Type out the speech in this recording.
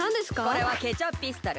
これはケチャッピストル！